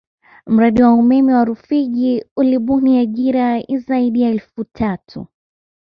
Mradi wa umeme wa Rufiji ulibuni ajira ya zaidi ya elfu tatu